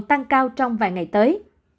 tăng cao trong vài ngày tới